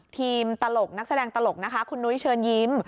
ทีมนักแสดงตลกคุณนุ้ยเชิญยิ้ม